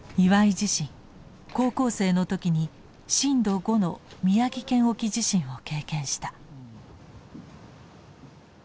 自身高校生の時に震度５の宮城県沖地震を経験した。